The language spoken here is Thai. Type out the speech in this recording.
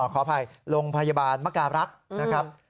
ขออภัยโรงพยาบาลมการรักษ์นะครับ